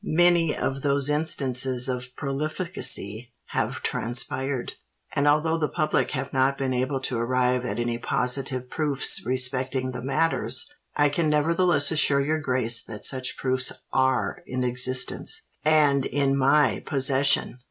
Many of those instances of profligacy have transpired; and although the public have not been able to arrive at any positive proofs respecting the matters, I can nevertheless assure your grace that such proofs are in existence—and in my possession!"